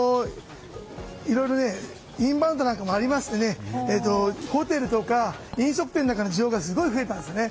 いろいろインバウンドなんかもありましてホテルとか飲食店とかの需要が増えたんですね。